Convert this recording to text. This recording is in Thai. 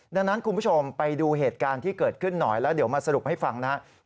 ดังนั้นคุณผู้ชมไปดูเหตุการณ์ที่เกิดขึ้นหน่อยแล้วเดี๋ยวมาสรุปให้ฟังนะครับ